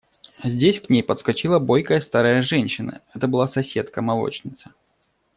Здесь к ней подскочила бойкая старая женщина – это была соседка, молочница.